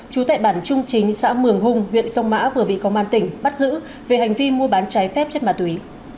chú tại bản trung chính xã mường hùng huyện sông mã vừa bị công an tỉnh bắt giữ về hành vi mua bán trái phép chất ma túy